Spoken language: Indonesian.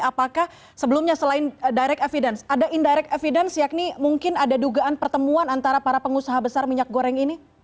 apakah sebelumnya selain direct evidence ada indirect evidence yakni mungkin ada dugaan pertemuan antara para pengusaha besar minyak goreng ini